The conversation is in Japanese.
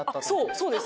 そうです。